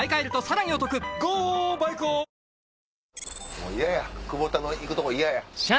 もう嫌や久保田の行くとこ嫌や。